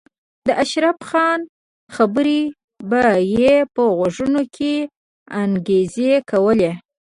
د اشرف خان خبرې به یې په غوږونو کې انګازې کولې